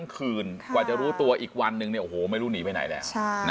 คืนกว่าจะรู้ตัวอีกวันนึงเนี่ยโอ้โหไม่รู้หนีไปไหนแล้ว